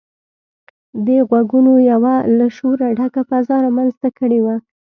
دې غږونو يوه له شوره ډکه فضا رامنځته کړې وه.